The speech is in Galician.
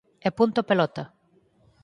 E punto pelota!